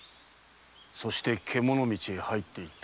そして獣道へ入っていったのか。